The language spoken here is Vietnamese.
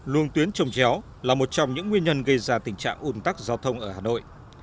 luồng tuyến trồng chéo là một trong những nguyên nhân gây ra tình trạng ủn tắc giao thông ở hà nội